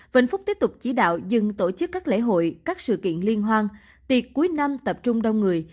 vĩnh phúc tiếp tục chỉ đạo dừng tổ chức các lễ hội các sự kiện liên hoan tiệc cuối năm tập trung đông người